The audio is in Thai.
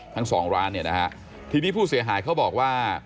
ทั้งสองร้านเนี่ยนะฮะทีนี้ผู้เสียหายเขาบอกว่า